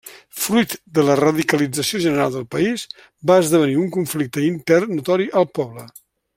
Fruit de la radicalització general del país, va esdevenir un conflicte intern notori al poble.